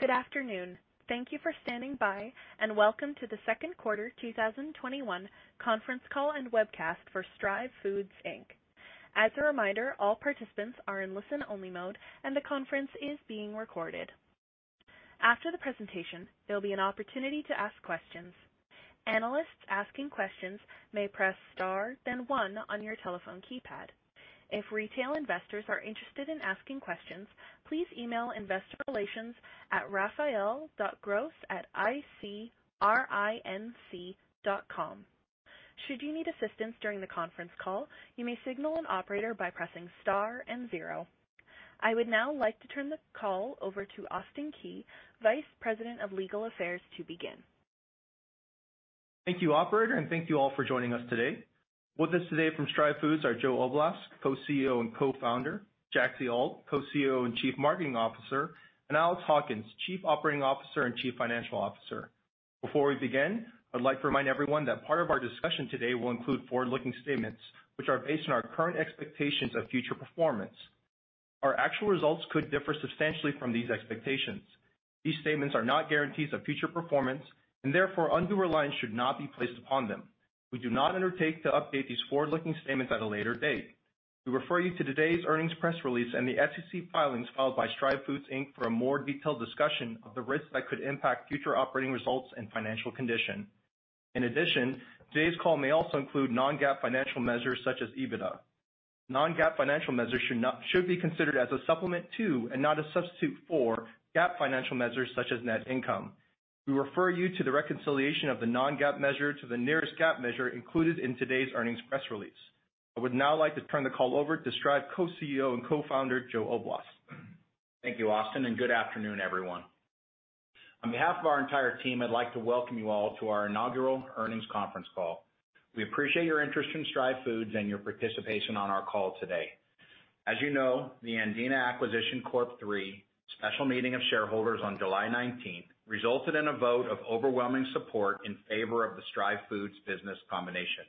Good afternoon. Thank you for standing by, and welcome to the second quarter 2021 conference call and webcast for Stryve Foods, Inc.. As a reminder, all participants are in listen-only mode, and the conference is being recorded. After the presentation, there'll be an opportunity to ask questions. Analysts asking questions may press star then one on your telephone keypad. If retail investors are interested in asking questions, please email investor relations at raphael.gross@icrinc.com. Should you need assistance during the conference call, you may signal an operator by pressing star and zero. I would now like to turn the call over to Austin Key, Vice President of Legal Affairs, to begin. Thank you, operator, and thank you all for joining us today. With us today from Stryve Foods are Joe Oblas, Co-CEO and Co-founder, Jaxie Alt, Co-CEO and Chief Marketing Officer, and Alex Hawkins, Chief Operating Officer and Chief Financial Officer. Before we begin, I'd like to remind everyone that part of our discussion today will include forward-looking statements, which are based on our current expectations of future performance. Our actual results could differ substantially from these expectations. These statements are not guarantees of future performance and therefore undue reliance should not be placed upon them. We do not undertake to update these forward-looking statements at a later date. We refer you to today's earnings press release and the SEC filings filed by Stryve Foods, Inc. for a more detailed discussion of the risks that could impact future operating results and financial condition. Today's call may also include non-GAAP financial measures such as EBITDA. Non-GAAP financial measures should be considered as a supplement to, and not a substitute for, GAAP financial measures such as net income. We refer you to the reconciliation of the non-GAAP measure to the nearest GAAP measure included in today's earnings press release. I would now like to turn the call over to Stryve Co-CEO and Co-Founder, Joe Oblas. Thank you, Austin, and good afternoon, everyone. On behalf of our entire team, I'd like to welcome you all to our inaugural earnings conference call. We appreciate your interest in Stryve Foods and your participation on our call today. As you know, the Andina Acquisition Corp. III special meeting of shareholders on July 19th resulted in a vote of overwhelming support in favor of the Stryve Foods business combination.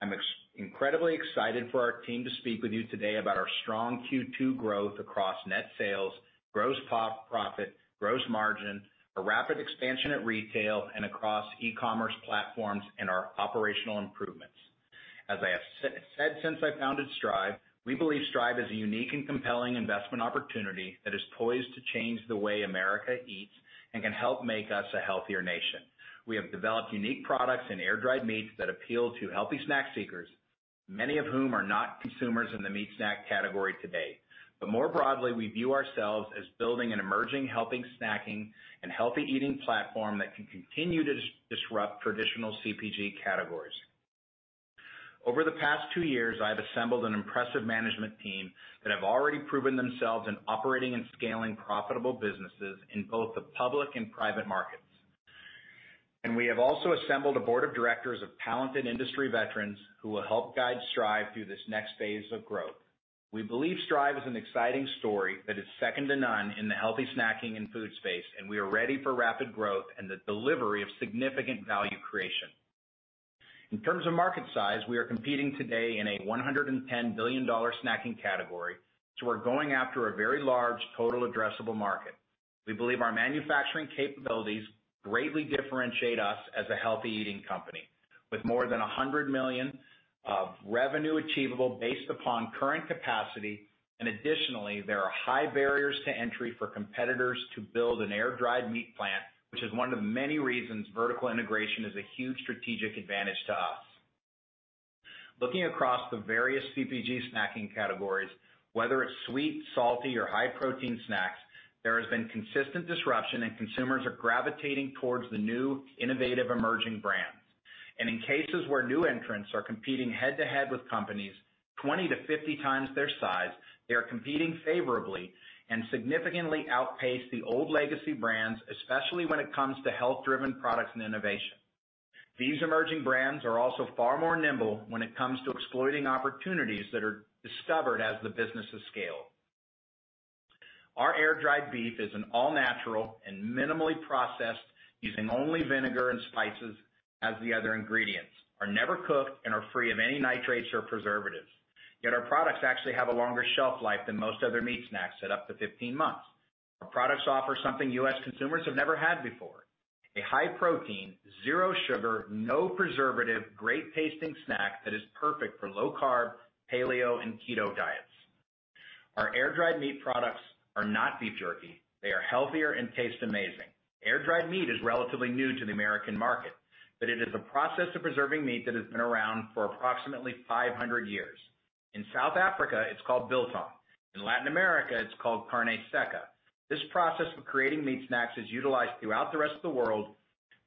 I'm incredibly excited for our team to speak with you today about our strong Q2 growth across net sales, gross profit, gross margin, our rapid expansion at retail and across e-commerce platforms, and our operational improvements. As I have said since I founded Stryve, we believe Stryve is a unique and compelling investment opportunity that is poised to change the way America eats and can help make us a healthier nation. We have developed unique products in air-dried meats that appeal to healthy snack seekers, many of whom are not consumers in the meat snack category today. More broadly, we view ourselves as building an emerging healthy snacking and healthy eating platform that can continue to disrupt traditional CPG categories. Over the past two years, I've assembled an impressive management team that have already proven themselves in operating and scaling profitable businesses in both the public and private markets. We have also assembled a Board of Directors of talented industry veterans who will help guide Stryve through this next phase of growth. We believe Stryve is an exciting story that is second to none in the healthy snacking and food space, and we are ready for rapid growth and the delivery of significant value creation. In terms of market size, we are competing today in a $110 billion snacking category. We're going after a very large total addressable market. We believe our manufacturing capabilities greatly differentiate us as a healthy eating company. With more than $100 million of revenue achievable based upon current capacity, and additionally, there are high barriers to entry for competitors to build an air-dried meat plant, which is one of the many reasons vertical integration is a huge strategic advantage to us. Looking across the various CPG snacking categories, whether it's sweet, salty, or high-protein snacks, there has been consistent disruption. Consumers are gravitating towards the new, innovative, emerging brands. In cases where new entrants are competing head-to-head with companies 20 to 50 times their size, they are competing favorably and significantly outpace the old legacy brands, especially when it comes to health-driven products and innovation. These emerging brands are also far more nimble when it comes to exploiting opportunities that are discovered as the businesses scale. Our air-dried beef is all-natural and minimally processed using only vinegar and spices as the other ingredients. Our products are never cooked and are free of any nitrates or preservatives. Yet our products actually have a longer shelf life than most other meat snacks at up to 15 months. Our products offer something U.S. consumers have never had before. A high protein, zero sugar, no preservative, great tasting snack that is perfect for low carb, paleo, and keto diets. Our air-dried meat products are not beef jerky. They are healthier and taste amazing. Air-dried meat is relatively new to the American market, but it is a process of preserving meat that has been around for approximately 500 years. In South Africa, it's called biltong. In Latin America, it's called carne seca. This process of creating meat snacks is utilized throughout the rest of the world,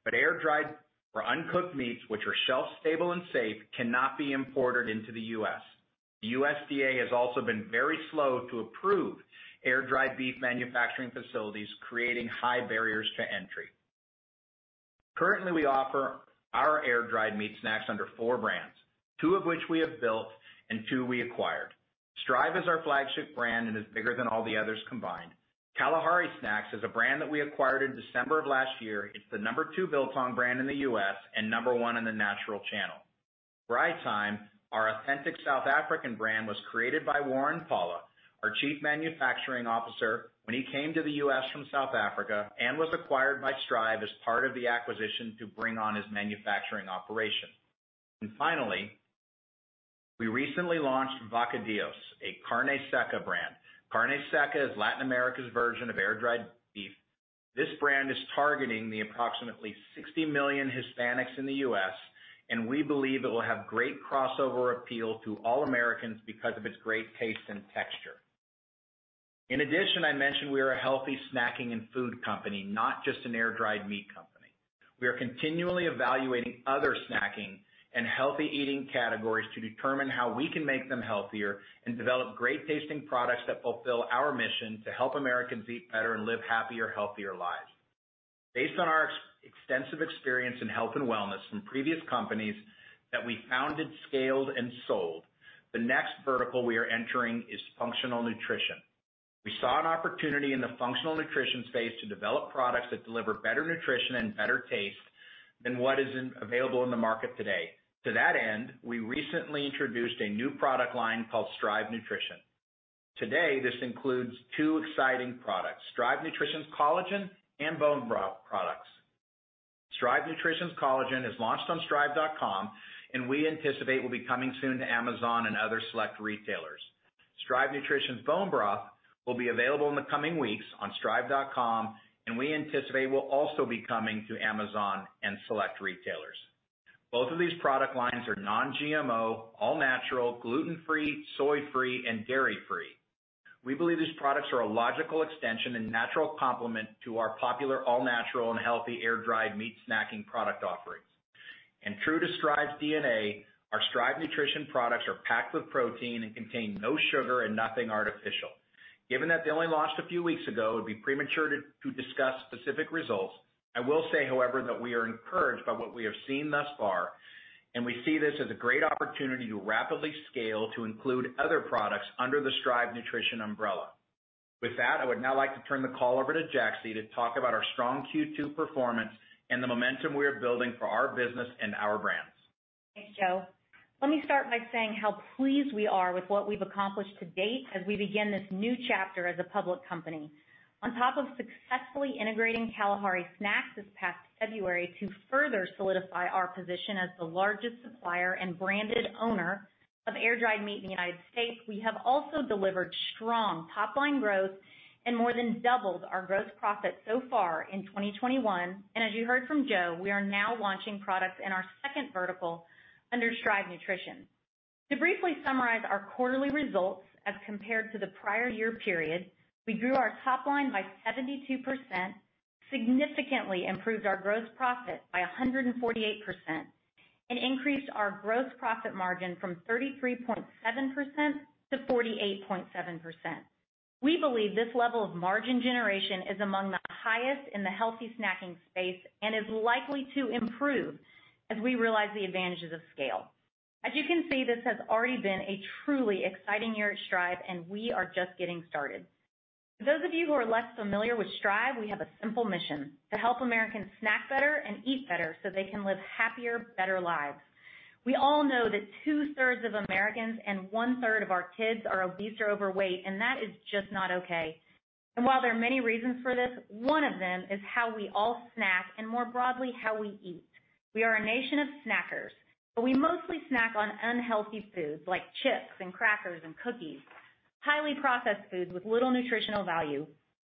but air-dried or uncooked meats, which are shelf stable and safe, cannot be imported into the U.S. The USDA has also been very slow to approve air-dried beef manufacturing facilities, creating high barriers to entry. Currently, we offer our air-dried meat snacks under four brands, two of which we have built and two we acquired. Stryve is our flagship brand and is bigger than all the others combined. Kalahari is a brand that we acquired in December of last year. It's the number two biltong brand in the U.S. and number one in the natural channel. Braaitime, our authentic South African brand, was created by Warren Pala, our Chief Manufacturing Officer, when he came to the U.S. from South Africa, and was acquired by Stryve as part of the acquisition to bring on his manufacturing operation. Finally, we recently launched Vacadillos, a carne seca brand. Carne seca is Latin America's version of air-dried beef. This brand is targeting the approximately 60 million Hispanics in the U.S., and we believe it will have great crossover appeal to all Americans because of its great taste and texture. In addition, I mentioned we are a healthy snacking and food company, not just an air-dried meat company. We are continually evaluating other snacking and healthy eating categories to determine how we can make them healthier and develop great-tasting products that fulfill our mission to help Americans eat better and live happier, healthier lives. Based on our extensive experience in health and wellness from previous companies that we founded, scaled, and sold, the next vertical we are entering is functional nutrition. We saw an opportunity in the functional nutrition space to develop products that deliver better nutrition and better taste than what is available in the market today. To that end, we recently introduced a new product line called Stryve Nutrition. Today, this includes two exciting products, Stryve Nutrition's collagen and bone broth products. Stryve Nutrition's collagen is launched on stryve.com and we anticipate will be coming soon to Amazon and other select retailers. Stryve Nutrition's bone broth will be available in the coming weeks on stryve.com, and we anticipate will also be coming to Amazon and select retailers. Both of these product lines are non-GMO, all natural, gluten-free, soy-free, and dairy-free. We believe these products are a logical extension and natural complement to our popular all-natural and healthy air-dried meat snacking product offerings. True to Stryve's DNA, our Stryve Nutrition products are packed with protein and contain no sugar and nothing artificial. Given that they only launched a few weeks ago, it would be premature to discuss specific results. I will say, however, that we are encouraged by what we have seen thus far, and we see this as a great opportunity to rapidly scale to include other products under the Stryve Nutrition umbrella. With that, I would now like to turn the call over to Jaxie to talk about our strong Q2 performance and the momentum we are building for our business and our brands. Thanks, Joe. Let me start by saying how pleased we are with what we've accomplished to date as we begin this new chapter as a public company. On top of successfully integrating Kalahari Snacks this past February to further solidify our position as the largest supplier and branded owner of air-dried meat in the United States, we have also delivered strong top-line growth and more than doubled our gross profit so far in 2021. As you heard from Joe, we are now launching products in our second vertical under Stryve Nutrition. To briefly summarize our quarterly results as compared to the prior year period, we grew our top line by 72%, significantly improved our gross profit by 148%, and increased our gross profit margin from 33.7%-48.7%. We believe this level of margin generation is among the highest in the healthy snacking space and is likely to improve as we realize the advantages of scale. As you can see, this has already been a truly exciting year at Stryve, and we are just getting started. For those of you who are less familiar with Stryve, we have a simple mission. To help Americans snack better and eat better so they can live happier, better lives. We all know that 2/3 of Americans and 1/3 of our kids are obese or overweight, and that is just not okay. While there are many reasons for this, one of them is how we all snack, and more broadly, how we eat. We are a nation of snackers, we mostly snack on unhealthy foods like chips and crackers and cookies, highly processed foods with little nutritional value.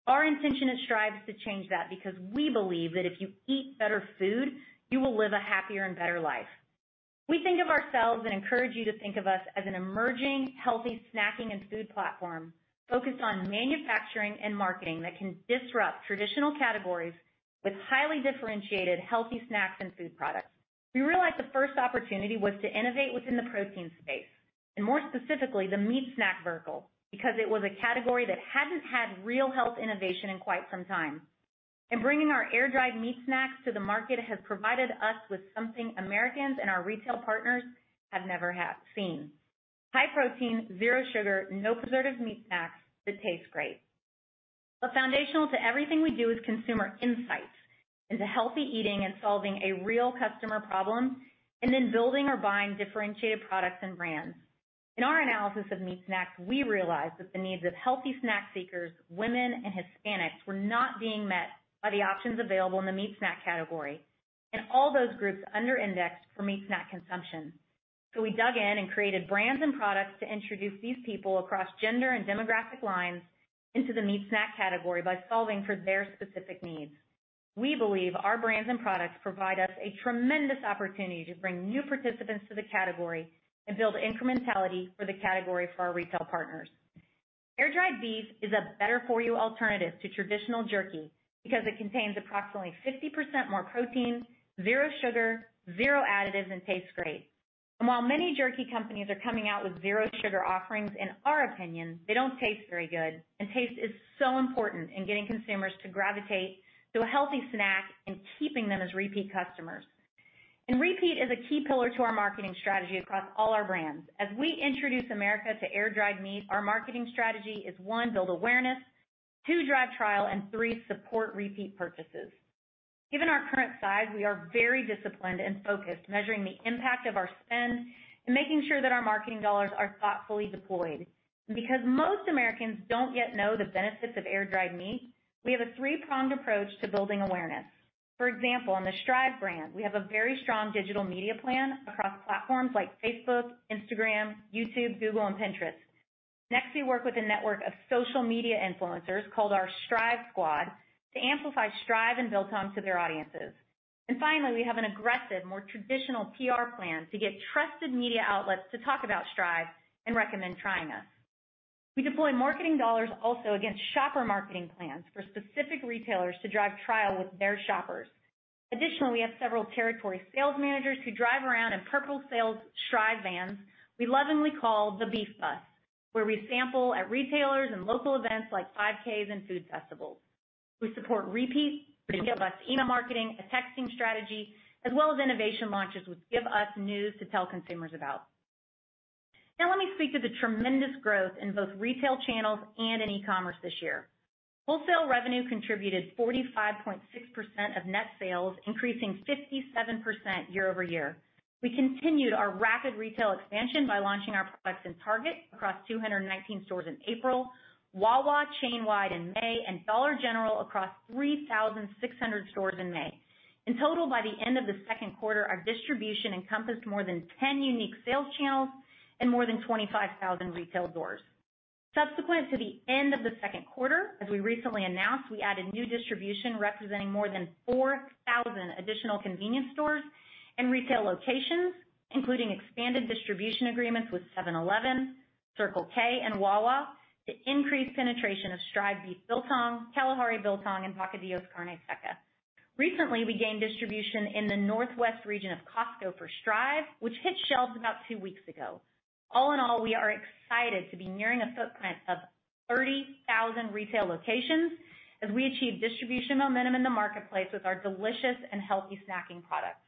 Our intention at Stryve is to change that because we believe that if you eat better food, you will live a happier and better life. We think of ourselves and encourage you to think of us as an emerging, healthy snacking and food platform focused on manufacturing and marketing that can disrupt traditional categories with highly differentiated healthy snacks and food products. We realized the first opportunity was to innovate within the protein space, and more specifically, the meat snack vertical, because it was a category that hadn't had real health innovation in quite some time. Bringing our air-dried meat snacks to the market has provided us with something Americans and our retail partners have never seen, high protein, zero sugar, no preservative meat snacks that taste great. Foundational to everything we do is consumer insights into healthy eating and solving a real customer problem, and then building or buying differentiated products and brands. In our analysis of meat snacks, we realized that the needs of healthy snack seekers, women, and Hispanics were not being met by the options available in the meat snack category. All those groups under-indexed for meat snack consumption. We dug in and created brands and products to introduce these people across gender and demographic lines into the meat snack category by solving for their specific needs. We believe our brands and products provide us a tremendous opportunity to bring new participants to the category and build incrementality for the category for our retail partners. Air-dried beef is a better for you alternative to traditional jerky because it contains approximately 50% more protein, zero sugar, zero additives, and tastes great. While many jerky companies are coming out with zero sugar offerings, in our opinion, they don't taste very good, and taste is so important in getting consumers to gravitate to a healthy snack and keeping them as repeat customers. Repeat is a key pillar to our marketing strategy across all our brands. As we introduce America to air-dried meat, our marketing strategy is, one, build awareness, two, drive trial, and three, support repeat purchases. Given our current size, we are very disciplined and focused, measuring the impact of our spend and making sure that our marketing dollars are thoughtfully deployed. Most Americans don't yet know the benefits of air-dried meat, we have a three-pronged approach to building awareness. For example, on the Stryve brand, we have a very strong digital media plan across platforms like Facebook, Instagram, YouTube, Google, and Pinterest. Next, we work with a network of social media influencers called our Stryve Squad to amplify Stryve and biltong to their audiences. Finally, we have an aggressive, more traditional PR plan to get trusted media outlets to talk about Stryve and recommend trying us. We deploy marketing dollars also against shopper marketing plans for specific retailers to drive trial with their shoppers. Additionally, we have several territory sales managers who drive around in purple sales Stryve vans we lovingly call the Beef Bus, where we sample at retailers and local events like 5Ks and food festivals. We support repeat email marketing, a texting strategy, as well as innovation launches, which give us news to tell consumers about. Let me speak to the tremendous growth in both retail channels and in e-commerce this year. Wholesale revenue contributed 45.6% of net sales, increasing 57% year-over-year. We continued our rapid retail expansion by launching our products in Target across 219 stores in April, Wawa chain-wide in May, and Dollar General across 3,600 stores in May. In total, by the end of the second quarter, our distribution encompassed more than 10 unique sales channels and more than 25,000 retail doors. Subsequent to the end of the second quarter, as we recently announced, we added new distribution representing more than 4,000 additional convenience stores and retail locations, including expanded distribution agreements with 7-Eleven, Circle K, and Wawa to increase penetration of Stryve beef biltong, Kalahari biltong, and Vacadillos carne seca. Recently, we gained distribution in the Northwest region of Costco for Stryve, which hit shelves about two weeks ago. All in all, we are excited to be nearing a footprint of 30,000 retail locations as we achieve distribution momentum in the marketplace with our delicious and healthy snacking products.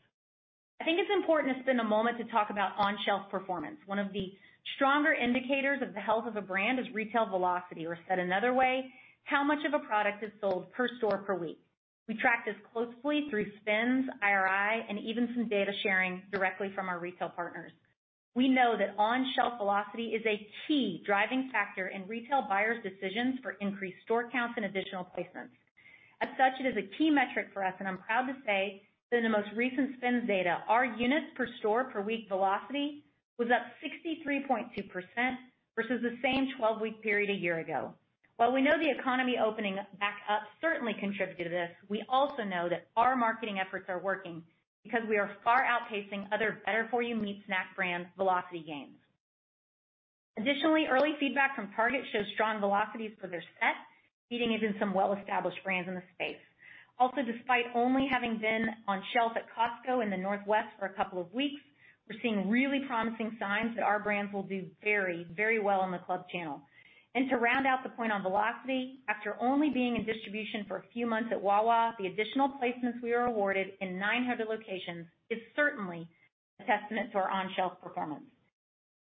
I think it's important to spend a moment to talk about on-shelf performance. One of the stronger indicators of the health of a brand is retail velocity, or said another way, how much of a product is sold per store per week. We track this closely through SPINS IRI, and even some data sharing directly from our retail partners. We know that on-shelf velocity is a key driving factor in retail buyers' decisions for increased store counts and additional placements. As such, it is a key metric for us, and I'm proud to say that in the most recent SPINS data, our units per store per week velocity was up 63.2% versus the same 12-week period a year ago. While we know the economy opening back up certainly contributed to this, we also know that our marketing efforts are working because we are far outpacing other better-for-you meat snack brands' velocity gains. Additionally, early feedback from Target shows strong velocities for their set, beating even some well-established brands in the space. Also, despite only having been on shelf at Costco in the Northwest for a couple of weeks, we're seeing really promising signs that our brands will do very well in the club channel. To round out the point on velocity, after only being in distribution for a few months at Wawa, the additional placements we are awarded in 900 locations is certainly a testament to our on-shelf performance.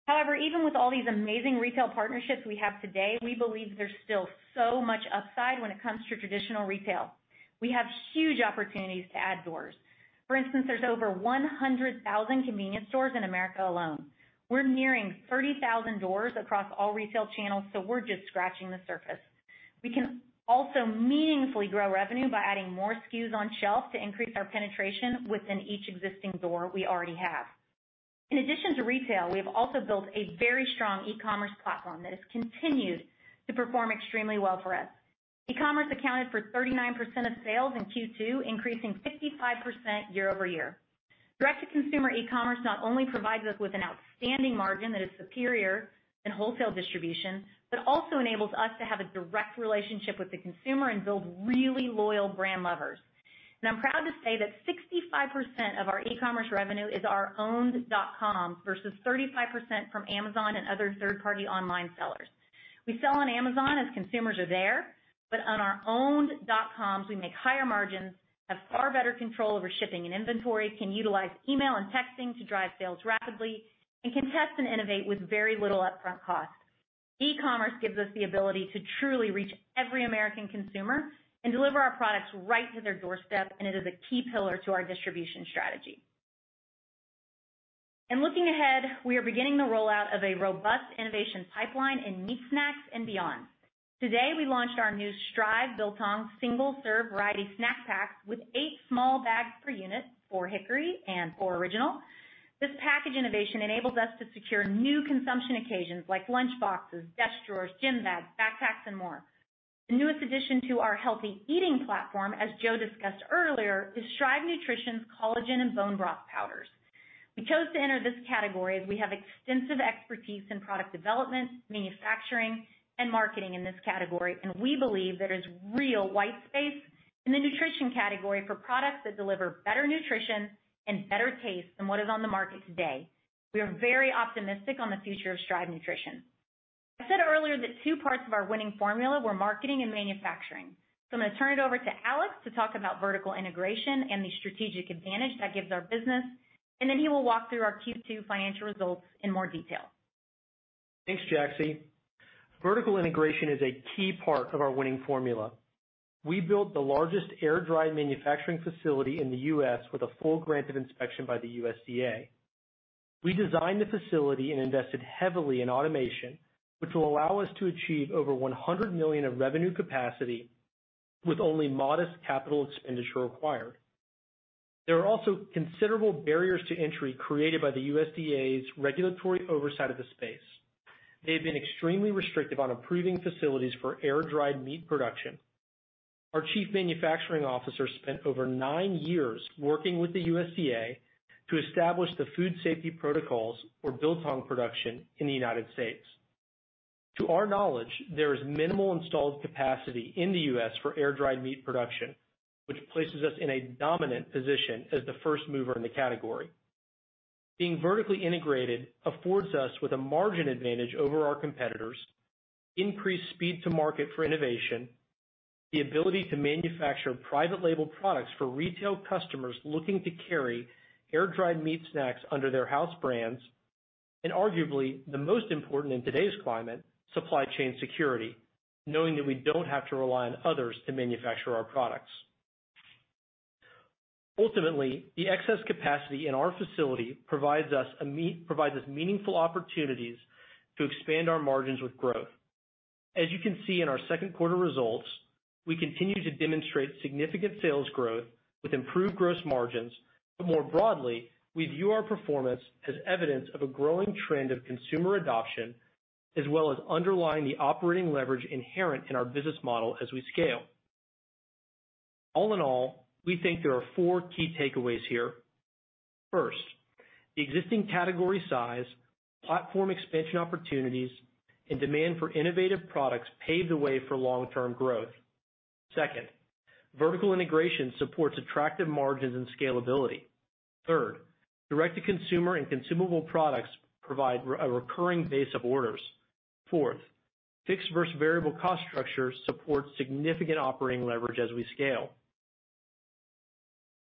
However, even with all these amazing retail partnerships we have today, we believe there's still so much upside when it comes to traditional retail. We have huge opportunities to add doors. For instance, there's over 100,000 convenience stores in America alone. We're nearing 30,000 doors across all retail channels, so we're just scratching the surface. We can also meaningfully grow revenue by adding more SKUs on shelf to increase our penetration within each existing door we already have. In addition to retail, we have also built a very strong e-commerce platform that has continued to perform extremely well for us. E-commerce accounted for 39% of sales in Q2, increasing 55% year-over-year. Direct-to-consumer e-commerce not only provides us with an outstanding margin that is superior in wholesale distribution, but also enables us to have a direct relationship with the consumer and build really loyal brand lovers. I'm proud to say that 65% of our e-commerce revenue is our owned dot-com versus 35% from Amazon and other third-party online sellers. We sell on Amazon as consumers are there, but on our owned dot-coms, we make higher margins, have far better control over shipping and inventory, can utilize email and texting to drive sales rapidly, and can test and innovate with very little upfront cost. E-commerce gives us the ability to truly reach every American consumer and deliver our products right to their doorstep, and it is a key pillar to our distribution strategy. Looking ahead, we are beginning the rollout of a robust innovation pipeline in meat snacks and beyond. Today, we launched our new Stryve biltong single-serve variety snack pack with eight small bags per unit, four hickory and four original. This package innovation enables us to secure new consumption occasions like lunchboxes, desk drawers, gym bags, backpacks, and more. The newest addition to our healthy eating platform, as Joe discussed earlier, is Stryve Nutrition's collagen and bone broth powders. We chose to enter this category as we have extensive expertise in product development, manufacturing, and marketing in this category, and we believe there is real white space in the nutrition category for products that deliver better nutrition and better taste than what is on the market today. We are very optimistic on the future of Stryve Nutrition. I said earlier that two parts of our winning formula were marketing and manufacturing. I'm going to turn it over to Alex to talk about vertical integration and the strategic advantage that gives our business, and then he will walk through our Q2 financial results in more detail. Thanks, Jaxie. Vertical integration is a key part of our winning formula. We built the largest air-dried manufacturing facility in the U.S. with a full granted inspection by the USDA. We designed the facility and invested heavily in automation, which will allow us to achieve over $100 million of revenue capacity with only modest capital expenditure required. There are also considerable barriers to entry created by the USDA's regulatory oversight of the space. They have been extremely restrictive on approving facilities for air-dried meat production. Our chief manufacturing officer spent over nine years working with the USDA to establish the food safety protocols for biltong production in the United States. To our knowledge, there is minimal installed capacity in the U.S. for air-dried meat production, which places us in a dominant position as the first mover in the category. Being vertically integrated affords us with a margin advantage over our competitors, increased speed to market for innovation, the ability to manufacture private label products for retail customers looking to carry air-dried meat snacks under their house brands, and arguably the most important in today's climate, supply chain security, knowing that we don't have to rely on others to manufacture our products. Ultimately, the excess capacity in our facility provides us meaningful opportunities to expand our margins with growth. As you can see in our second quarter results, we continue to demonstrate significant sales growth with improved gross margins. More broadly, we view our performance as evidence of a growing trend of consumer adoption, as well as underlying the operating leverage inherent in our business model as we scale. All in all, we think there are four key takeaways here. First, the existing category size, platform expansion opportunities, and demand for innovative products pave the way for long-term growth. Second, vertical integration supports attractive margins and scalability. Third, direct-to-consumer and consumable products provide a recurring base of orders. Fourth, fixed versus variable cost structure supports significant operating leverage as we scale.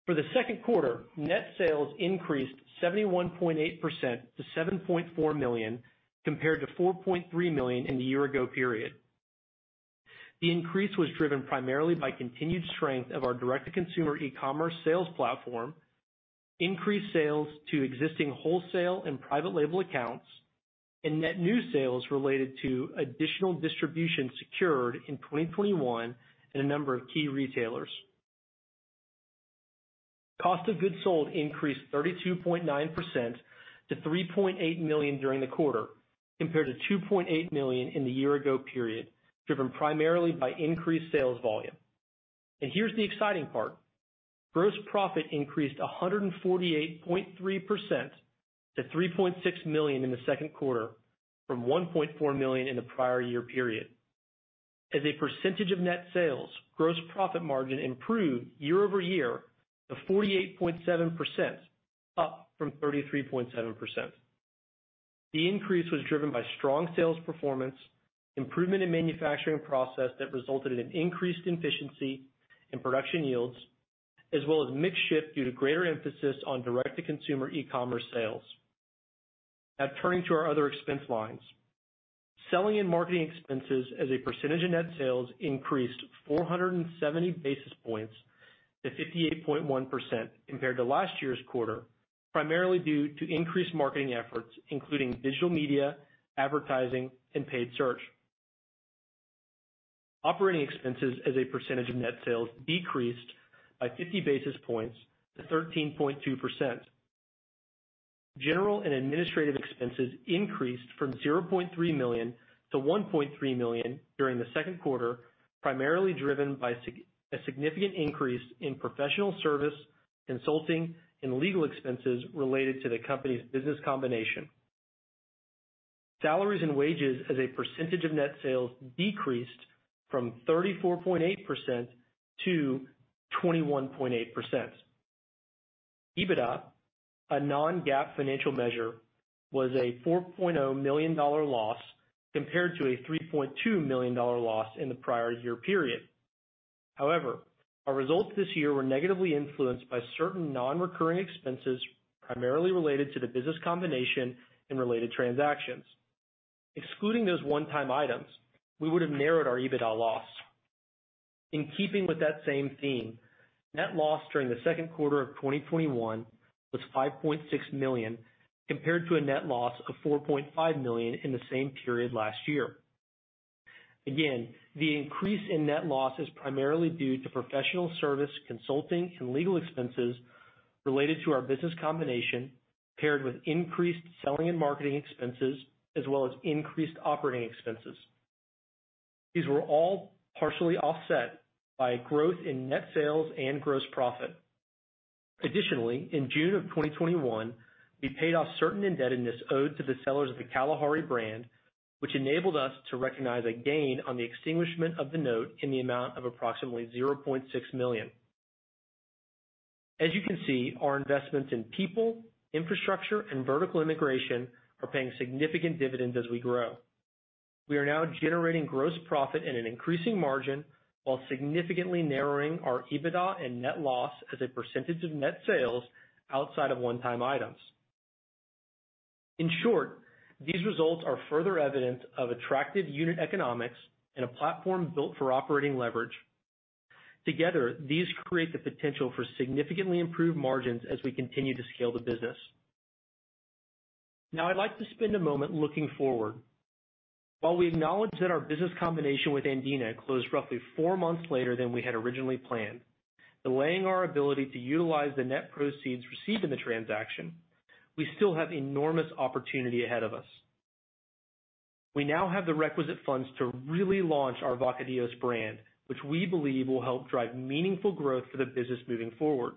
For the second quarter, net sales increased 71.8% to $7.4 million, compared to $4.3 million in the year-ago period. The increase was driven primarily by continued strength of our direct-to-consumer e-commerce sales platform, increased sales to existing wholesale and private label accounts, and net new sales related to additional distribution secured in 2021 in a number of key retailers. Cost of goods sold increased 32.9% to $3.8 million during the quarter, compared to $2.8 million in the year-ago period, driven primarily by increased sales volume. Here's the exciting part. Gross profit increased 148.3% to $3.6 million in the second quarter from $1.4 million in the prior year period. As a % of net sales, gross profit margin improved year-over-year to 48.7%, up from 33.7%. The increase was driven by strong sales performance, improvement in manufacturing process that resulted in increased efficiency in production yields, as well as mix shift due to greater emphasis on direct-to-consumer e-commerce sales. Turning to our other expense lines. Selling and marketing expenses as a % of net sales increased 470 basis points to 58.1% compared to last year's quarter, primarily due to increased marketing efforts, including digital media, advertising, and paid search. Operating expenses as a % of net sales decreased by 50 basis points to 13.2%. General and administrative expenses increased from $0.3 million-$1.3 million during the second quarter, primarily driven by a significant increase in professional service, consulting, and legal expenses related to the company's business combination. Salaries and wages as a % of net sales decreased from 34.8%-21.8%. EBITDA, a non-GAAP financial measure, was a $4.0 million loss compared to a $3.2 million loss in the prior year period. However, our results this year were negatively influenced by certain non-recurring expenses, primarily related to the business combination and related transactions. Excluding those one-time items, we would have narrowed our EBITDA loss. In keeping with that same theme, net loss during the second quarter of 2021 was $5.6 million, compared to a net loss of $4.5 million in the same period last year. Again, the increase in net loss is primarily due to professional service, consulting, and legal expenses related to our business combination, paired with increased selling and marketing expenses, as well as increased operating expenses. These were all partially offset by growth in net sales and gross profit. Additionally, in June of 2021, we paid off certain indebtedness owed to the sellers of the Kalahari brand, which enabled us to recognize a gain on the extinguishment of the note in the amount of approximately $0.6 million. As you can see, our investments in people, infrastructure, and vertical integration are paying significant dividends as we grow. We are now generating gross profit at an increasing margin while significantly narrowing our EBITDA and net loss as a % of net sales outside of one-time items. In short, these results are further evidence of attractive unit economics and a platform built for operating leverage. Together, these create the potential for significantly improved margins as we continue to scale the business. I'd like to spend a moment looking forward. While we acknowledge that our business combination with Andina closed roughly four months later than we had originally planned, delaying our ability to utilize the net proceeds received in the transaction, we still have enormous opportunity ahead of us. We now have the requisite funds to really launch our Vacadillos brand, which we believe will help drive meaningful growth for the business moving forward.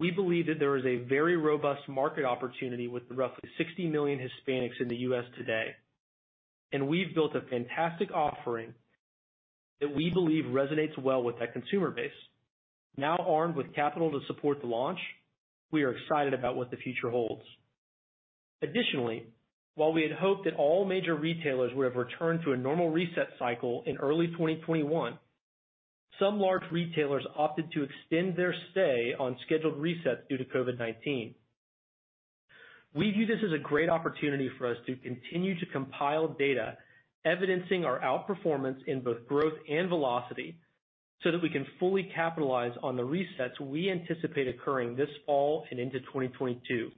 We believe that there is a very robust market opportunity with the roughly 60 million Hispanics in the U.S. today. We've built a fantastic offering that we believe resonates well with that consumer base. Armed with capital to support the launch, we are excited about what the future holds. While we had hoped that all major retailers would have returned to a normal reset cycle in early 2021, some large retailers opted to extend their stay on scheduled resets due to COVID-19. We view this as a great opportunity for us to continue to compile data evidencing our outperformance in both growth and velocity so that we can fully capitalize on the resets we anticipate occurring this fall and into 2022.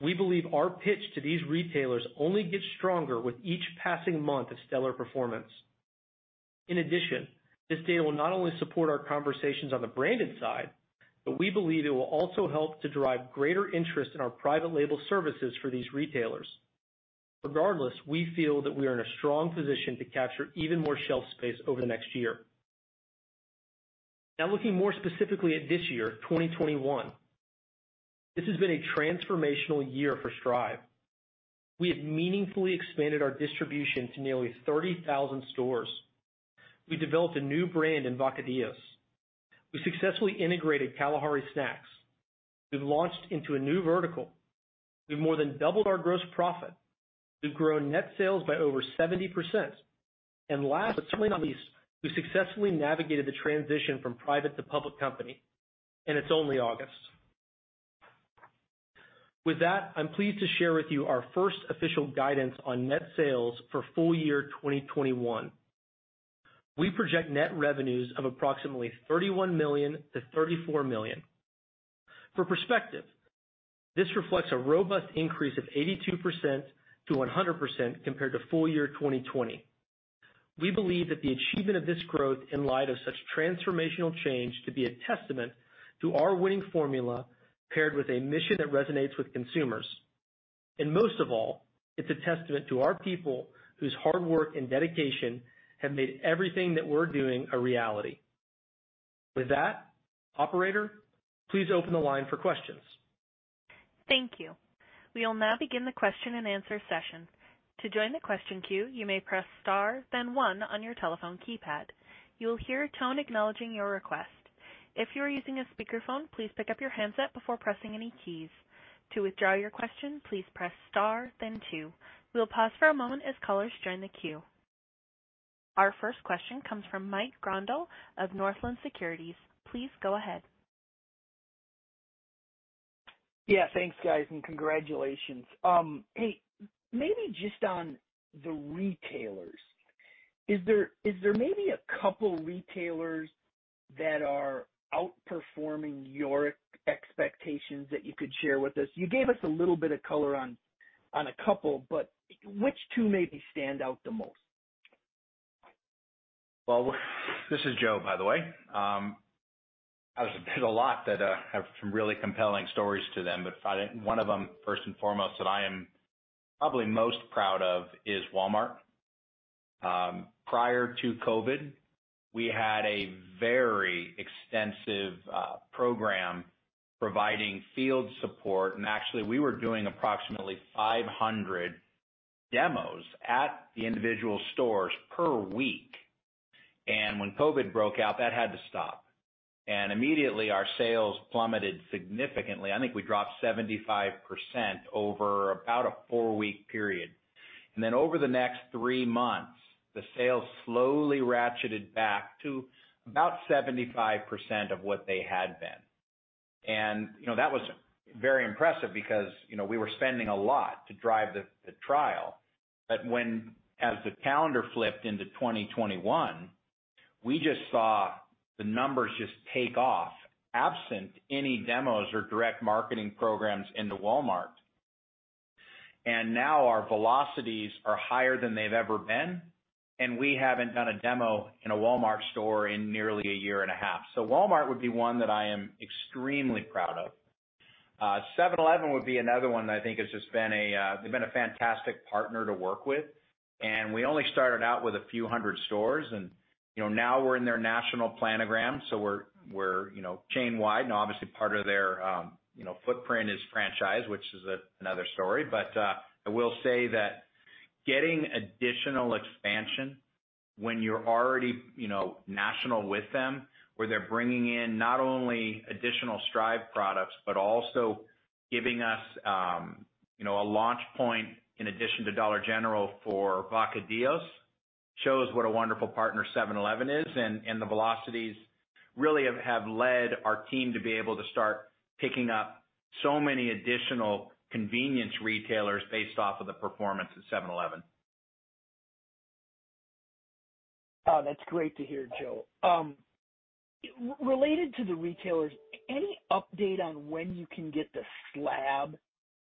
We believe our pitch to these retailers only gets stronger with each passing month of stellar performance. This data will not only support our conversations on the branded side, but we believe it will also help to drive greater interest in our private label services for these retailers. We feel that we are in a strong position to capture even more shelf space over the next one year. Looking more specifically at this year, 2021. This has been a transformational year for Stryve. We have meaningfully expanded our distribution to nearly 30,000 stores. We developed a new brand in Vacadillos. We successfully integrated Kalahari Snacks. We've launched into a new vertical. We've more than doubled our gross profit. We've grown net sales by over 70%. Last but certainly not least, we've successfully navigated the transition from private to public company, and it's only August. With that, I'm pleased to share with you our first official guidance on net sales for full year 2021. We project net revenues of approximately $31 million-$34 million. For perspective, this reflects a robust increase of 82%-100% compared to full year 2020. We believe that the achievement of this growth in light of such transformational change to be a testament to our winning formula, paired with a mission that resonates with consumers. Most of all, it's a testament to our people whose hard work and dedication have made everything that we're doing a reality. With that, operator, please open the line for questions. Thank you. We will now begin the question and answer session. To join the question que you may press star then one on your telephone keypad. You will hear a tone acknowledging your request. If your using a speaker phone please pick up your headset before pressing any keys. To withdraw your question please press star then two. We'll pause for a moment as callers join the queue. Our first question comes from Michael Grondahl of Northland Securities. Please go ahead. Yeah, thanks guys, and congratulations. Hey, maybe just on the retailers. Is there maybe a couple of retailers that are outperforming your expectations that you could share with us? You gave us a little bit of color on a couple, but which two maybe stand out the most? Well, this is Joe, by the way. There's a lot that have some really compelling stories to them, but one of them, first and foremost, that I am probably most proud of is Walmart. Prior to COVID, we had a very extensive program providing field support, and actually, we were doing approximately 500 demos at the individual stores per week. When COVID broke out, that had to stop. Immediately our sales plummeted significantly. I think I dropped 75% over about a four-week period. Over the next three months, the sales slowly ratcheted back to about 75% of what they had been. That was very impressive because we were spending a lot to drive the trial. As the calendar flipped into 2021, we just saw the numbers just take off, absent any demos or direct marketing programs into Walmart. Now our velocities are higher than they've ever been, and we haven't done a demo in a Walmart store in nearly a year and a half. Walmart would be one that I am extremely proud of. 7-Eleven would be another one that I think they've been a fantastic partner to work with. We only started out with a few hundred stores, and now we're in their national planogram, so we're chain wide. Obviously part of their footprint is franchise, which is another story. I will say that Getting additional expansion when you're already national with them, where they're bringing in not only additional Stryve products, but also giving us a launch point in addition to Dollar General for Vacadillos, shows what a wonderful partner 7-Eleven is. The velocities really have led our team to be able to start picking up so many additional convenience retailers based off of the performance of 7-Eleven. Oh, that's great to hear, Joe. Related to the retailers, any update on when you can get the slab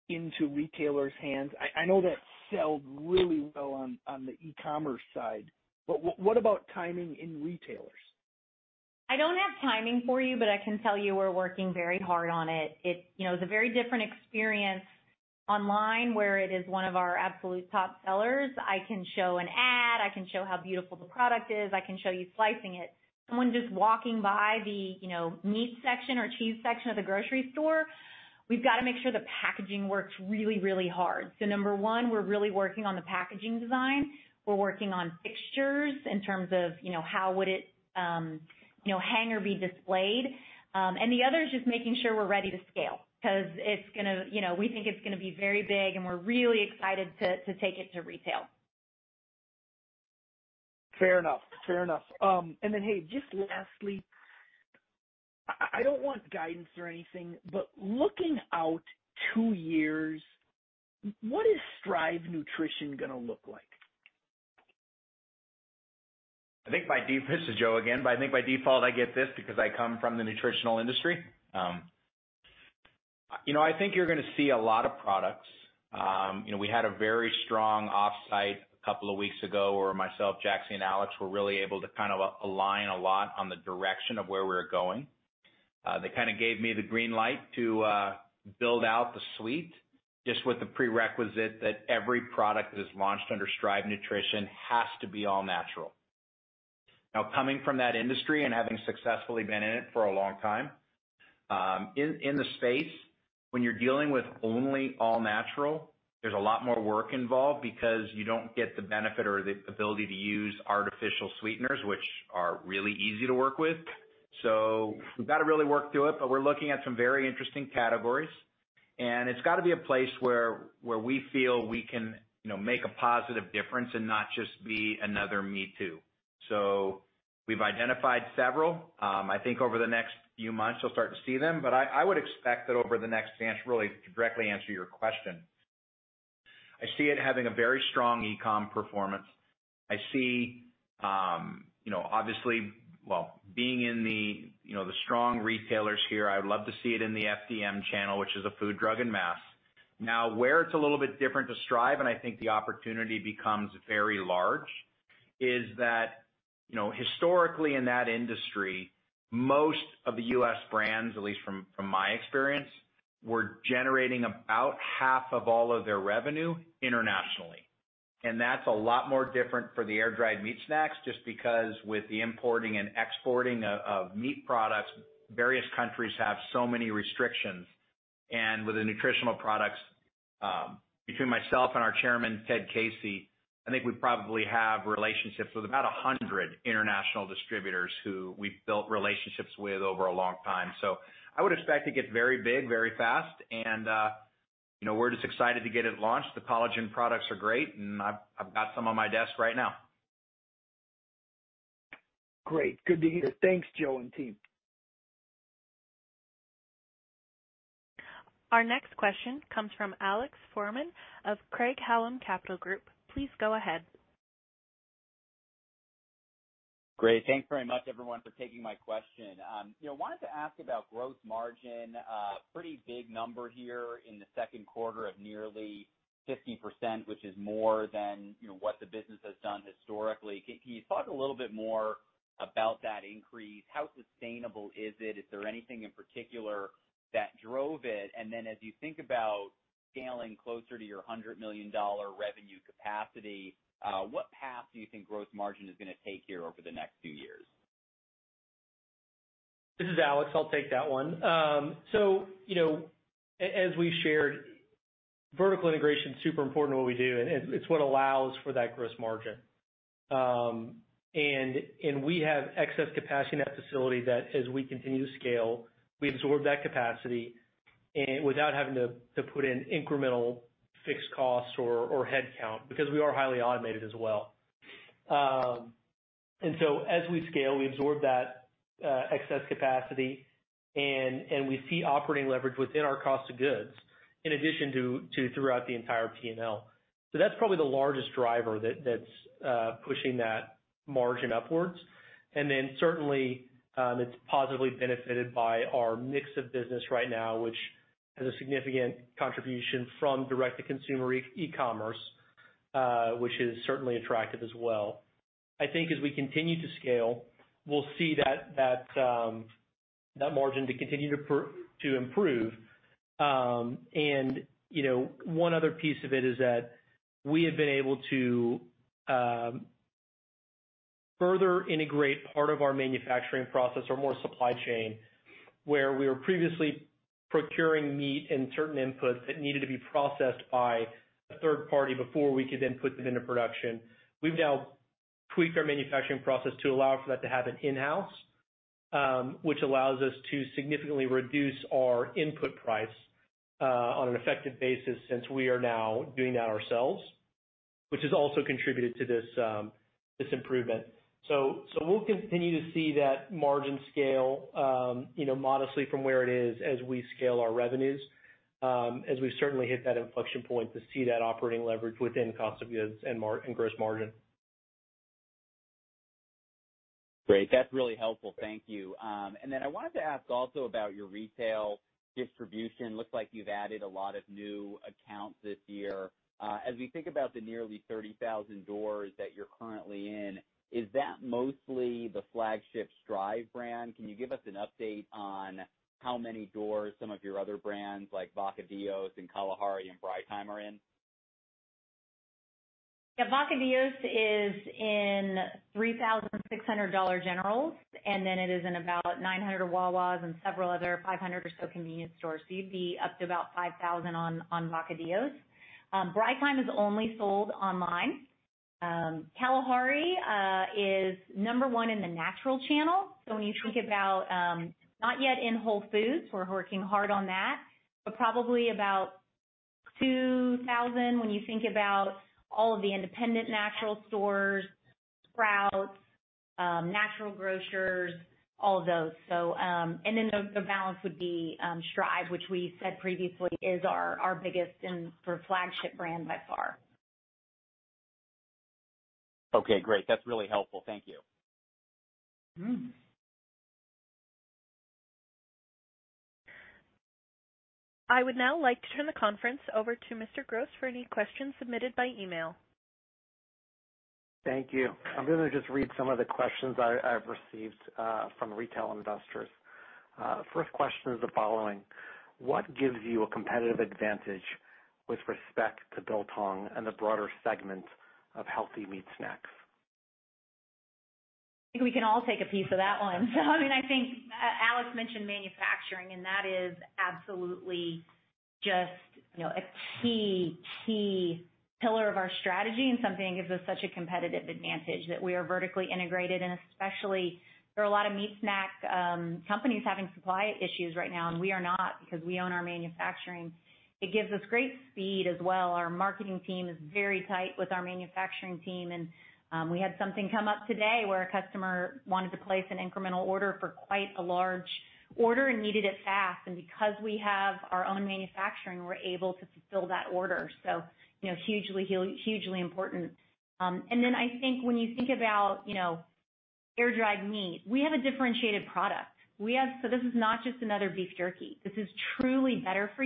into retailers' hands? I know that sold really well on the e-commerce side, but what about timing in retailers? I don't have timing for you, but I can tell you we're working very hard on it. It's a very different experience online, where it is one of our absolute top sellers. I can show an ad. I can show how beautiful the product is. I can show you slicing it. Someone just walking by the meat section or cheese section of the grocery store, we've got to make sure the packaging works really, really hard. Number one, we're really working on the packaging design. We're working on fixtures in terms of how would it hang or be displayed. The other is just making sure we're ready to scale, because we think it's going to be very big, and we're really excited to take it to retail. Fair enough. Hey, just lastly, I don't want guidance or anything, looking out two years, what is Stryve Nutrition going to look like? This is Joe again. I think by default, I get this because I come from the nutritional industry. I think you're going to see a lot of products. We had a very strong offsite a couple of weeks ago where myself, Jaxie, and Alex were really able to align a lot on the direction of where we're going. They gave me the green light to build out the suite, just with the prerequisite that every product that is launched under Stryve Nutrition has to be all-natural. Now, coming from that industry and having successfully been in it for a long time, in the space, when you're dealing with only all-natural, there's a lot more work involved because you don't get the benefit or the ability to use artificial sweeteners, which are really easy to work with. We've got to really work through it, but we're looking at some very interesting categories, and it's got to be a place where we feel we can make a positive difference and not just be another me too. We've identified several. I think over the next few months, you'll start to see them. To really directly answer your question, I see it having a very strong e-com performance. I see, obviously, well, being in the strong retailers here, I would love to see it in the FDM channel, which is a food, drug, and mass. Where it's a little bit different to Stryve, and I think the opportunity becomes very large, is that historically in that industry, most of the U.S. brands, at least from my experience, were generating about 1/2 of all of their revenue internationally. That's a lot more different for the air-dried meat snacks, just because with the importing and exporting of meat products, various countries have so many restrictions. With the nutritional products, between myself and our chairman, Ted Casey, I think we probably have relationships with about 100 international distributors who we've built relationships with over a long time. I would expect to get very big, very fast, and we're just excited to get it launched. The collagen products are great, and I've got some on my desk right now. Great. Good to hear. Thanks, Joe and team. Our next question comes from Alex Fuhrman of Craig-Hallum Capital Group. Please go ahead. Great. Thanks very much everyone for taking my question. Wanted to ask about gross margin. Pretty big number here in the second quarter of nearly 50%, which is more than what the business has done historically. Can you talk a little bit more about that increase? How sustainable is it? Is there anything in particular that drove it? Then as you think about scaling closer to your $100 million revenue capacity, what path do you think gross margin is going to take here over the next few years? This is Alex. I'll take that one. As we shared, vertical integration is super important to what we do, and it's what allows for that gross margin. We have excess capacity in that facility that as we continue to scale, we absorb that capacity without having to put in incremental fixed costs or headcount, because we are highly automated as well. As we scale, we absorb that excess capacity, and we see operating leverage within our cost of goods, in addition to throughout the entire P&L. That's probably the largest driver that's pushing that margin upwards. Certainly, it's positively benefited by our mix of business right now, which has a significant contribution from direct-to-consumer e-commerce, which is certainly attractive as well. I think as we continue to scale, we'll see that margin to continue to improve. One other piece of it is that we have been able to further integrate part of our manufacturing process or more supply chain, where we were previously procuring meat and certain inputs that needed to be processed by a third party before we could then put them into production. We've now tweaked our manufacturing process to allow for that to happen in-house, which allows us to significantly reduce our input price on an effective basis since we are now doing that ourselves, which has also contributed to this improvement. We'll continue to see that margin scale modestly from where it is as we scale our revenues, as we certainly hit that inflection point to see that operating leverage within cost of goods and gross margin. Great. That's really helpful. Thank you. I wanted to ask also about your retail distribution. Looks like you've added a lot of new accounts this year. As we think about the nearly 30,000 doors that you're currently in, is that mostly the flagship Stryve brand? Can you give us an update on how many doors some of your other brands like Vacadillos and Kalahari and Braaitime are in? Vacadillos is in 3,600 Dollar Generals, and then it is in about 900 Wawas and several other 500 or so convenience stores. You'd be up to about 5,000 on Vacadillos. Braaitime is only sold online. Kalahari is number one in the natural channel. When you think about, not yet in Whole Foods, we're working hard on that. Probably about 2,000 when you think about all of the independent natural stores, Sprouts, Natural Grocers, all of those. The balance would be Stryve, which we said previously is our biggest and sort of flagship brand by far. Okay, great. That's really helpful. Thank you. I would now like to turn the conference over to Mr. Gross for any questions submitted by email. Thank you. I'm gonna just read some of the questions I've received from retail investors. First question is the following. What gives you a competitive advantage with respect to biltong and the broader segment of healthy meat snacks? I think we can all take a piece of that one. I think Alex mentioned manufacturing, and that is absolutely just a key pillar of our strategy and something that gives us such a competitive advantage, that we are vertically integrated. Especially, there are a lot of meat snack companies having supply issues right now, and we are not because we own our manufacturing. It gives us great speed as well. Our marketing team is very tight with our manufacturing team, and we had something come up today where a customer wanted to place an incremental order for quite a large order and needed it fast. Because we have our own manufacturing, we're able to fulfill that order. Hugely important. I think when you think about air-dried meat, we have a differentiated product. This is not just another beef jerky. This is truly better for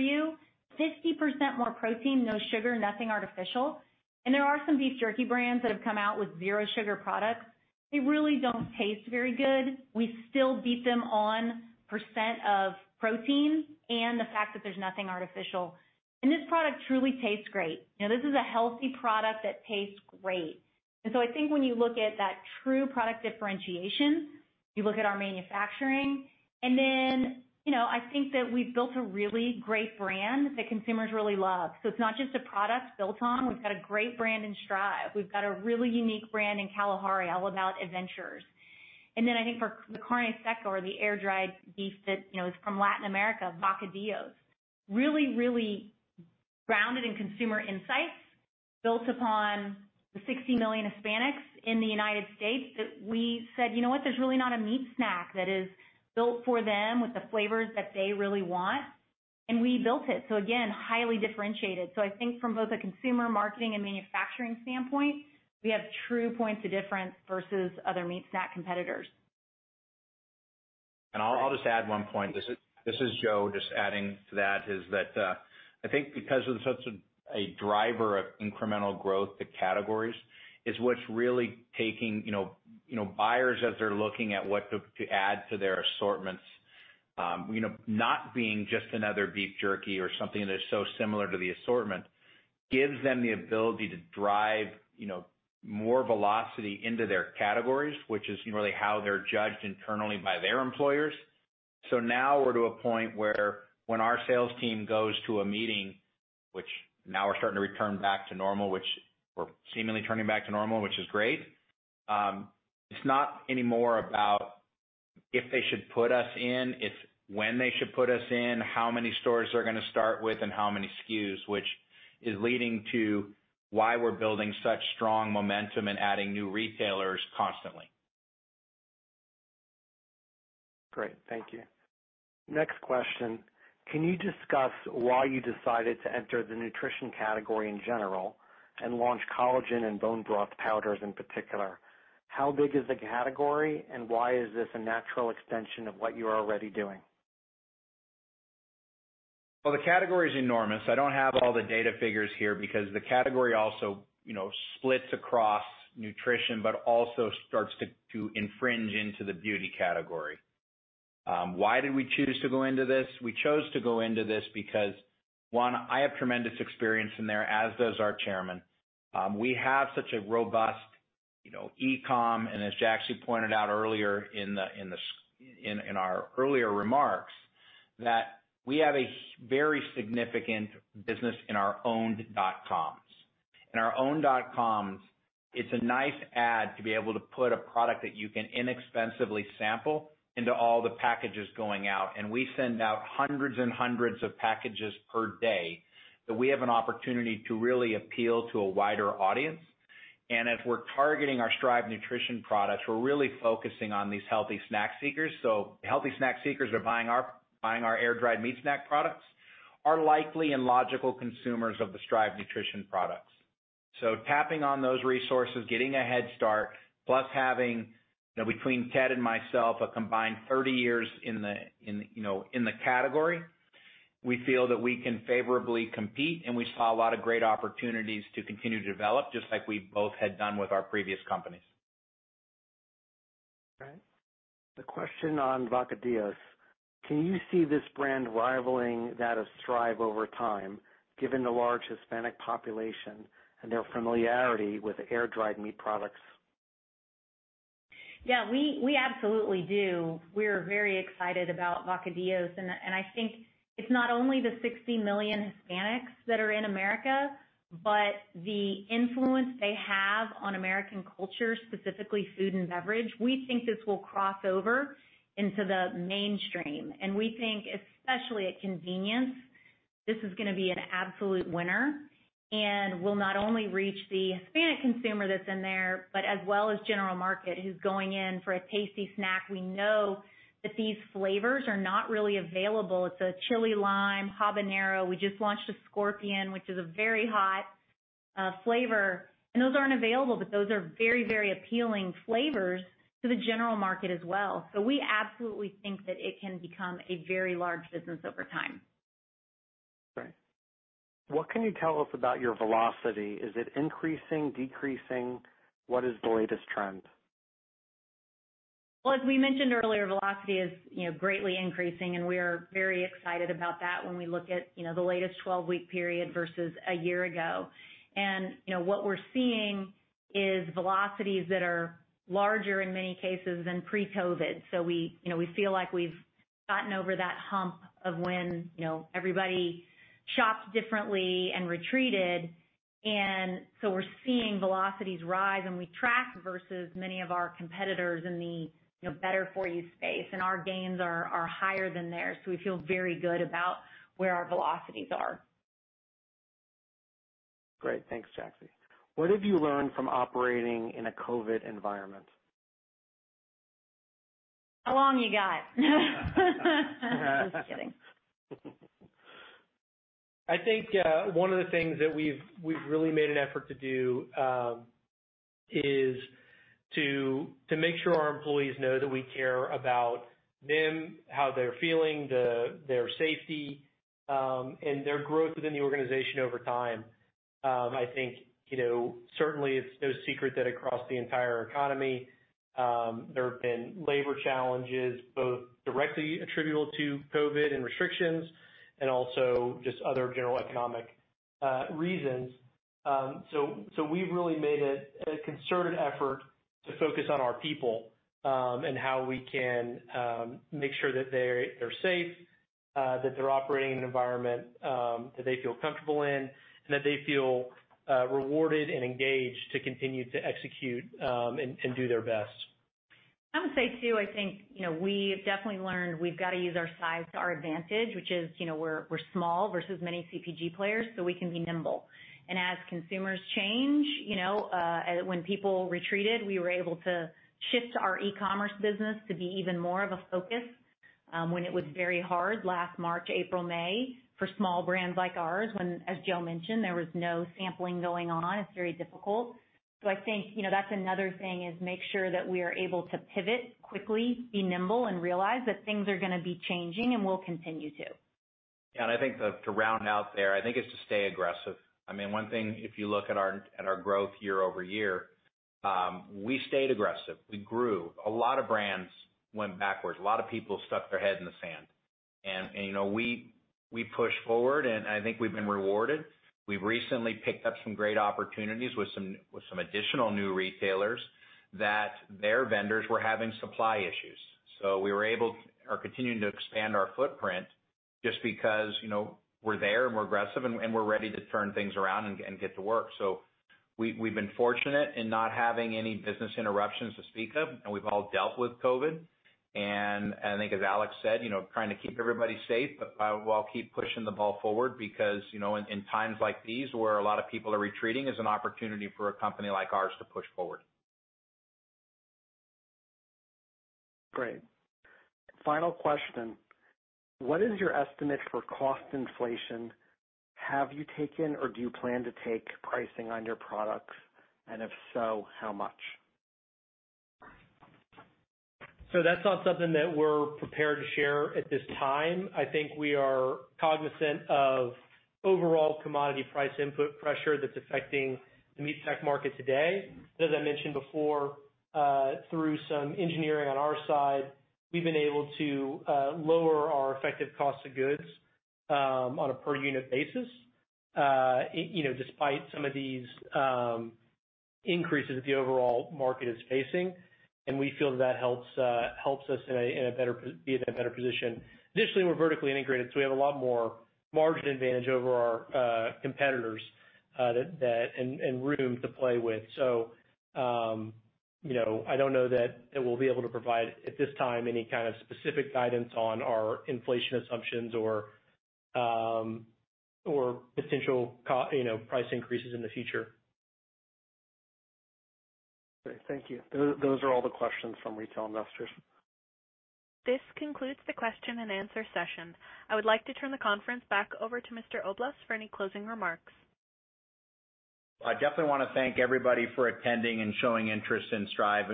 you. 50% more protein, no sugar, nothing artificial. There are some beef jerky brands that have come out with zero sugar products. They really don't taste very good. We still beat them on % of protein and the fact that there's nothing artificial. This product truly tastes great. This is a healthy product that tastes great. I think when you look at that true product differentiation, you look at our manufacturing, I think that we've built a really great brand that consumers really love. It's not just a product, biltong. We've got a great brand in Stryve. We've got a really unique brand in Kalahari, all about adventurers. I think for the carne seca or the air-dried beef that is from Latin America, Vacadillos. Really, really grounded in consumer insights, built upon the 60 million Hispanics in the United States. That we said, "You know what? There's really not a meat snack that is built for them with the flavors that they really want." We built it. Again, highly differentiated. I think from both a consumer marketing and manufacturing standpoint, we have true points of difference versus other meat snack competitors. I'll just add one point. This is Joe just adding to that, is that, I think because it's such a driver of incremental growth to categories is what's really taking buyers as they're looking at what to add to their assortments. Not being just another beef jerky or something that is so similar to the assortment gives them the ability to drive more velocity into their categories, which is really how they're judged internally by their employers. Now we're to a point where when our sales team goes to a meeting, which now are starting to return back to normal, which we're seemingly turning back to normal, which is great. It's not anymore about if they should put us in. It's when they should put us in, how many stores they're going to start with, and how many SKUs, which is leading to why we're building such strong momentum and adding new retailers constantly. Great. Thank you. Next question. Can you discuss why you decided to enter the nutrition category in general and launch collagen and bone broth powders in particular? How big is the category, and why is this a natural extension of what you are already doing? Well, the category is enormous. I don't have all the data figures here because the category also splits across nutrition, but also starts to infringe into the beauty category. Why did we choose to go into this? We chose to go into this because, one, I have tremendous experience in there, as does our Chairman. As Jaxie pointed out earlier in our earlier remarks, that we have a very significant business in our owned dot-coms. In our own dot-coms, it's a nice add to be able to put a product that you can inexpensively sample into all the packages going out, and we send out hundreds and hundreds of packages per day, that we have an opportunity to really appeal to a wider audience. As we're targeting our Stryve Nutrition products, we're really focusing on these healthy snack seekers. Healthy snack seekers are buying our air-dried meat snack products are likely and logical consumers of the Stryve Nutrition products. Tapping on those resources, getting a head start, plus having, between Ted and myself, a combined 30 years in the category, we feel that we can favorably compete, and we saw a lot of great opportunities to continue to develop, just like we both had done with our previous companies. Great. The question on Vacadillos. Can you see this brand rivaling that of Stryve over time, given the large Hispanic population and their familiarity with air-dried meat products? Yeah, we absolutely do. We're very excited about Vacadillos, and I think it's not only the 60 million Hispanics that are in America, but the influence they have on American culture, specifically food and beverage. We think this will cross over into the mainstream, and we think especially at convenience, this is gonna be an absolute winner, and will not only reach the Hispanic consumer that's in there, but as well as general market who's going in for a tasty snack. We know that these flavors are not really available. It's a chili lime habanero. We just launched a scorpion, which is a very hot flavor. Those aren't available, but those are very appealing flavors to the general market as well. We absolutely think that it can become a very large business over time. Great. What can you tell us about your velocity? Is it increasing, decreasing? What is the latest trend? As we mentioned earlier, velocity is greatly increasing, and we are very excited about that when we look at the latest 12-week period versus a year ago. What we're seeing is velocities that are larger in many cases than pre-COVID. We're seeing velocities rise, and we track versus many of our competitors in the better-for-you space. Our gains are higher than theirs, so we feel very good about where our velocities are. Great. Thanks, Jaxie. What have you learned from operating in a COVID environment? How long you got? Just kidding. I think one of the things that we've really made an effort to do is to make sure our employees know that we care about them, how they're feeling, their safety, and their growth within the organization over time. I think, certainly it's no secret that across the entire economy, there have been labor challenges, both directly attributable to COVID and restrictions, and also just other general economic reasons. We've really made a concerted effort to focus on our people, and how we can make sure that they're safe, that they're operating in an environment that they feel comfortable in, and that they feel rewarded and engaged to continue to execute and do their best. I would say, too, I think, we have definitely learned we've got to use our size to our advantage, which is, we're small versus many CPG players, we can be nimble. As consumers change, when people retreated, we were able to shift our e-commerce business to be even more of a focus when it was very hard last March, April, May, for small brands like ours, when, as Joe mentioned, there was no sampling going on. It's very difficult. I think, that's another thing, is make sure that we are able to pivot quickly, be nimble, and realize that things are gonna be changing and will continue to. Yeah, I think to round out there, I think it's to stay aggressive. One thing, if you look at our growth year-over-year, we stayed aggressive. We grew. A lot of brands went backwards. A lot of people stuck their head in the sand. We pushed forward, and I think we've been rewarded. We've recently picked up some great opportunities with some additional new retailers that their vendors were having supply issues. We were able or continuing to expand our footprint just because we're there, and we're aggressive, and we're ready to turn things around and get to work. We've been fortunate in not having any business interruptions to speak of, and we've all dealt with COVID. I think as Alex said, trying to keep everybody safe, but while keep pushing the ball forward because in times like these where a lot of people are retreating is an opportunity for a company like ours to push forward. Great. Final question. What is your estimate for cost inflation? Have you taken or do you plan to take pricing on your products, and if so, how much? That's not something that we're prepared to share at this time. I think we are cognizant of overall commodity price input pressure that's affecting the meat snack market today. As I mentioned before, through some engineering on our side, we've been able to lower our effective cost of goods on a per unit basis, despite some of these increases that the overall market is facing. We feel that helps us be in a better position. Additionally, we're vertically integrated, so we have a lot more margin advantage over our competitors, and room to play with. I don't know that we'll be able to provide at this time any kind of specific guidance on our inflation assumptions or potential price increases in the future. Okay, thank you. Those are all the questions from retail investors. This concludes the question-and-answer session. I would like to turn the conference back over to Joe Oblas for any closing remarks. I definitely want to thank everybody for attending and showing interest in Stryve.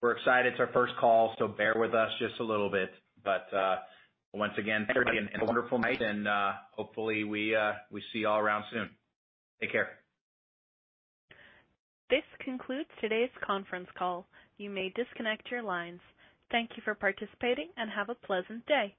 We're excited. It's our first call, so bear with us just a little bit. Once again, thank you, and have a wonderful night. Hopefully we see you all around soon. Take care. This concludes today's conference call. You may disconnect your lines. Thank you for participating, and have a pleasant day.